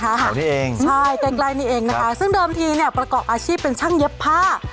แถวนี้เองใช่ใกล้ใกล้นี่เองนะคะซึ่งเดิมทีเนี่ยประกอบอาชีพเป็นช่างเย็บผ้า